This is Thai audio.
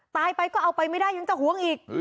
ตายไปก็เอาไปไม่ได้ยังจะหวงอีก